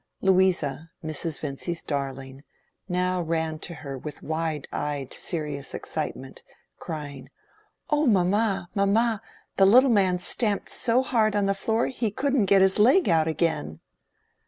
Louisa, Mrs. Vincy's darling, now ran to her with wide eyed serious excitement, crying, "Oh mamma, mamma, the little man stamped so hard on the floor he couldn't get his leg out again!"